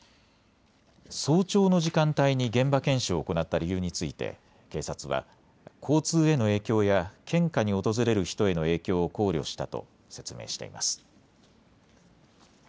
早朝の時間帯に現場検証を行った理由について警察は交通への影響や献花に訪れる人への影響を考慮したと説明しています。